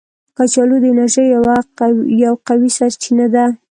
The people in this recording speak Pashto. کچالو د انرژي یو قوي سرچینه ده